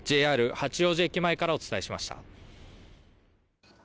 八王子駅前からお伝えしました。